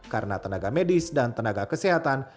karena tenaga medis dan tenaga kesehatan